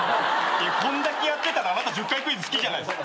こんだけやってたらあなた１０回クイズ好きじゃないっすか。